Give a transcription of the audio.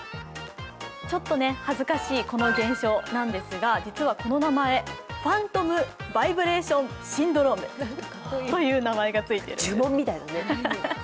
ちょっと恥ずかしいこの現象なんですが実はこの名前、ファントム・バイブレーション・シンドロームという名前がついているんです。